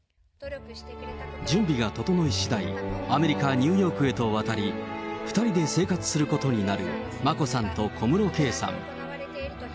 準備が整いしだい、アメリカ・ニューヨークへと渡り、２人で生活することになる眞子さんと小室圭さん。